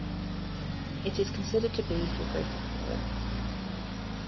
It is considered to be her greatest poem.